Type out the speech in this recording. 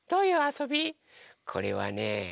これはね